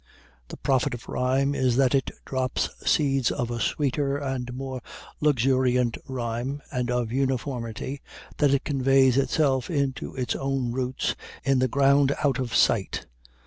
The profit of rhyme is that it drops seeds of a sweeter and more luxuriant rhyme, and of uniformity that it conveys itself into its own roots in the ground out of sight.